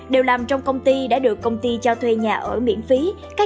đều làm trong công ty đã được công ty cho thuê nhà ở miễn phí